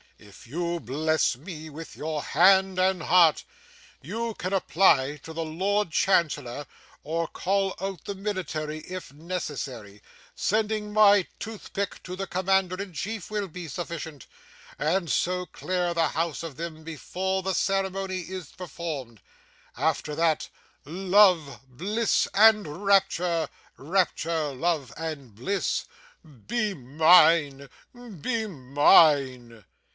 If you bless me with your hand and heart, you can apply to the Lord Chancellor or call out the military if necessary sending my toothpick to the commander in chief will be sufficient and so clear the house of them before the ceremony is performed. After that, love, bliss and rapture; rapture, love and bliss. Be mine, be mine!